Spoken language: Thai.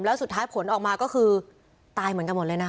แล้วสุดท้ายผลออกมาก็คือตายเหมือนกันหมดเลยนะคะ